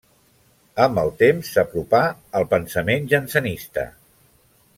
Amb el temps s'apropà al pensament jansenista.